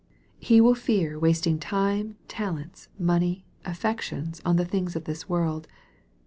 He will fear wasting time, talents, money, affections on the things of this world.